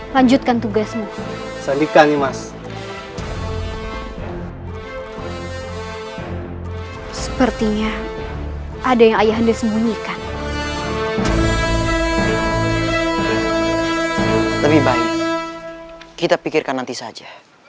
lebih baik kita pikirkan nanti saja